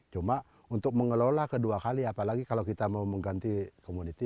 cuma untuk mengelola kedua kali apalagi kalau kita mau mengganti komoditi